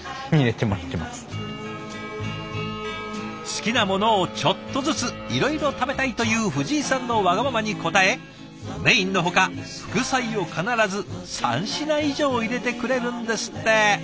好きなものをちょっとずついろいろ食べたいという藤井さんのわがままに応えメインのほか副菜を必ず３品以上入れてくれるんですって。